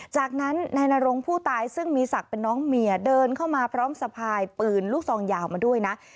จากนั้นนายนรงผู้ตายซึ่งมีศักดิ์เป็นน้องเมียเดินเข้ามาพร้อมสะพายปืนลูกซองยาวมาด้วยนะ